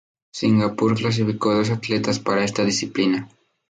Singapur clasificó dos atletas para esta disciplina.